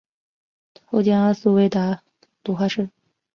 后兼阿速卫达鲁花赤。